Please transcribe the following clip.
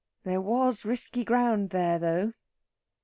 There was risky ground there, though.